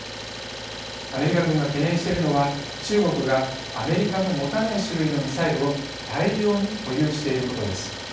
アメリカ軍が懸念しているのは中国がアメリカの持たない種類のミサイルを大量に保有していることです。